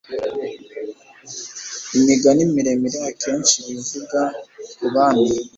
Imigani miremimire akenshi iba ivuga k' abami